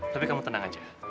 tapi kamu tenang aja